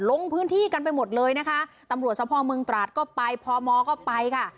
ลงพื้นที่กันไปหมดเลยนะคะตำรวจสภเมืองตราดก็ไปพมก็ไปค่ะ